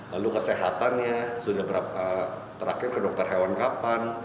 lalu kesehatannya sudah berapa terakhir ke dokter hewan kapan